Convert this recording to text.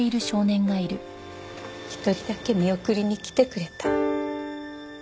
１人だけ見送りに来てくれた。